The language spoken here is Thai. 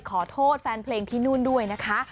ขอโทษแฟนเพลงที่นู่นด้วยนะคะ